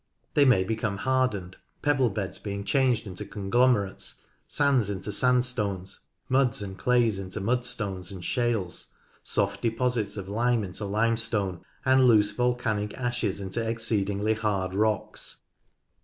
They may become hardened, pebble beds being changed into conglomerates, sands into sand stones, muds and clays into mudstones and shales, soft deposits of lime into limestone, and loose volcanic ashes GEOLOGY AND SOIL 21 into exceedingly hard rocks.